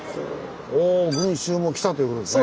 お群衆も来たということですね。